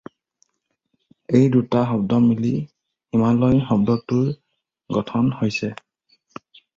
এই দুটা শব্দ মিলি হিমালয় শব্দটোৰ গঠন হৈছে।